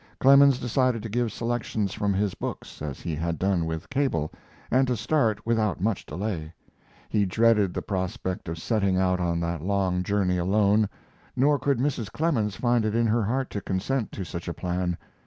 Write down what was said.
Clemens decided to give selections from his books, as he had done with Cable, and to start without much delay. He dreaded the prospect of setting out on that long journey alone, nor could Mrs. Clemens find it in her heart to consent to such a plan.